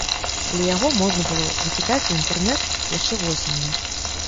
Але яго можна было выкідаць у інтэрнэт яшчэ восенню.